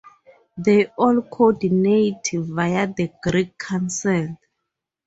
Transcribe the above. They all coordinate via the Greek Council.